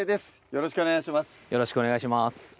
よろしくお願いします